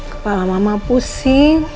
kepala mama pusing